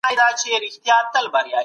مشرانو به د خپلو نيکونو وياړونه ساتلي وي.